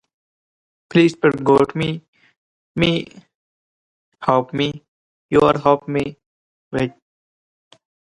Corporal punishment involves physical pain and discomfort, while non-corporal punishment does not.